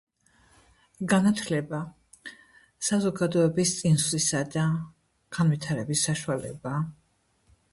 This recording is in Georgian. განათლება საზოგადოების წინსვლისა და განვითარების საშუალებაა.